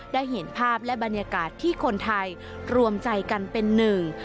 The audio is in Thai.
ได้เห็นภาพและบรรยากาศที่คนไทยรวมใจกันเป็นหนึ่ง